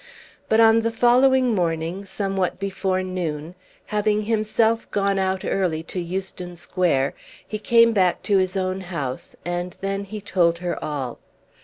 But on the following morning, somewhat before noon, having himself gone out early to Euston Square, he came back to his own house, and then he told her all.